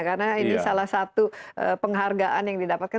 karena ini salah satu penghargaan yang didapatkan